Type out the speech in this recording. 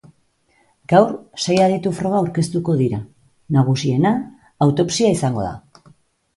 Gaur, sei aditu-froga aurkeztuko dira, nagusiena, autopsia izango da.